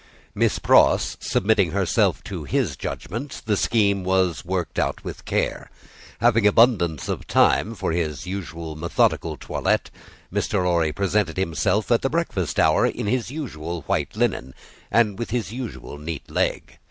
Miss Pross, submitting herself to his judgment, the scheme was worked out with care. Having abundance of time for his usual methodical toilette, Mr. Lorry presented himself at the breakfast hour in his usual white linen, and with his usual neat leg.